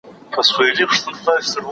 اوس په ویښه ورته ګورم ریشتیا کېږي مي خوبونه